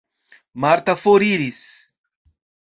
Marta foriris.